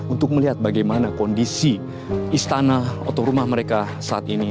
untuk melihat bagaimana kondisi istana atau rumah mereka saat ini